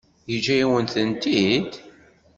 Yeǧǧa-yawen-tent-id?